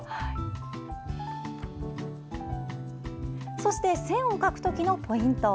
そして、線を描くときのポイント。